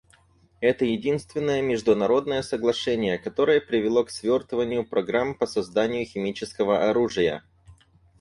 Это единственное международное соглашение, которое привело к свертыванию программ по созданию химического оружия.